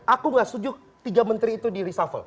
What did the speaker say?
aku gak setuju tiga menteri itu diresuffle